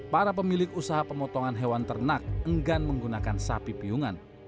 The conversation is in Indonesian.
para pemilik usaha pemotongan hewan ternak enggan menggunakan sapi piungan